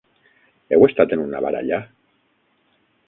Heu estat en una baralla?